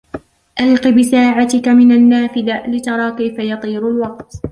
ألقِ بساعتك من النافذة لترى كيف يطير الوقت.